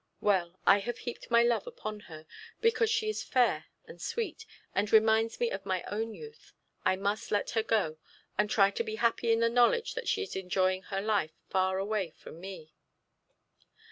Well, I have heaped my love upon her, because she is fair and sweet, and reminds me of my own youth. I must let her go, and try to be happy in the knowledge that she is enjoying her life far away from me.'